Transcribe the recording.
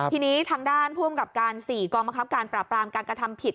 ทีนี้ทางด้านผู้อำกับการ๔กองบังคับการปราบรามการกระทำผิด